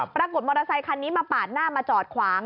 มอเตอร์ไซคันนี้มาปาดหน้ามาจอดขวาง